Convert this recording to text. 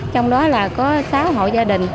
trong đó là có sáu hộ gia đình